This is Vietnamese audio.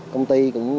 công ty cũng